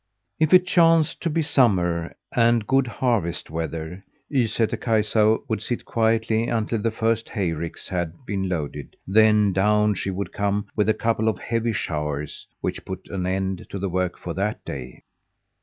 If it chanced to be summer and good harvest weather, Ysätter Kaisa would sit quietly until the first hayricks had been loaded, then down she would come with a couple of heavy showers, which put an end to the work for that day.